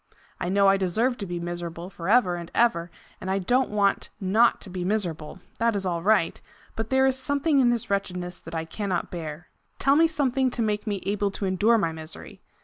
I know I deserve to be miserable for ever and ever, and I don't want not to be miserable that is all right but there is something in this wretchedness that I cannot bear. Tell me something to make me able to endure my misery.